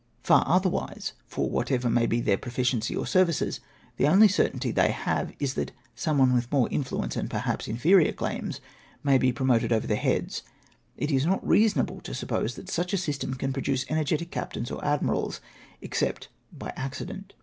Far otherwise, for whatever may be theu^ pro ficiency or services, the only certainty they have is that some one with more influence and perhaps inferior claims may be promoted over their heads. It is not reasonable to suppose that such a system can produce energetic captains or admirals, except by accident.